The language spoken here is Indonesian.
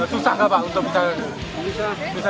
susah nggak pak untuk bisa